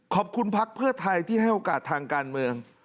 ขอบคุณพักษณ์เพื่อไทยที่ให้โอกาสทางการเมือง